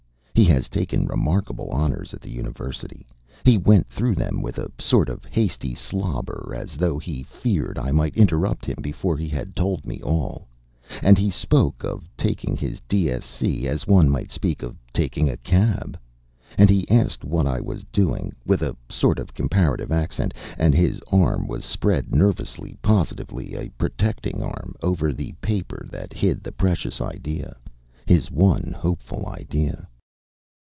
He has taken remarkable honours at the University he went through them with a sort of hasty slobber, as though he feared I might interrupt him before he had told me all and he spoke of taking his D.Sc. as one might speak of taking a cab. And he asked what I was doing with a sort of comparative accent, and his arm was spread nervously, positively a protecting arm, over the paper that hid the precious idea his one hopeful idea.